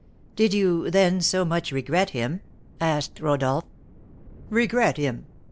"Did you, then, so much regret him?" asked Rodolph. "Regret him!